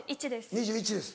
２１歳です。